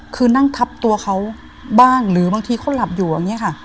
คือนั่งทับตัวเขาบ้างหรือบางทีเขาหลับอยู่อย่างนี้ค่ะ